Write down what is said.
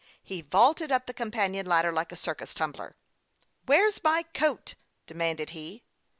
He vaulted up the companion ladder like a circus tumbler. "Where's my coat?" demanded he.